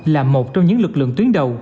là một trong những lực lượng tuyến đầu